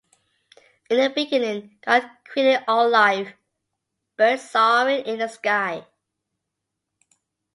In the beginning, God created all life: birds soaring in the sky.